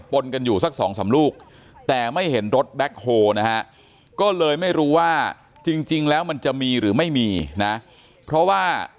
๑๑พฤษภาคมเห็นแต่ลูกมะม่วงเน่า